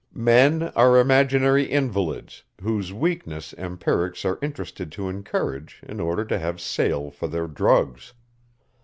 Men are imaginary invalids, whose weakness empirics are interested to encourage, in order to have sale for their drugs.